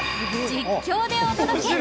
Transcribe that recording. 実況で、お届け。